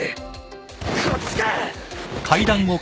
こっちか！